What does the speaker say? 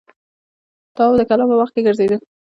تواب د کلا په باغ کې ګرځېده.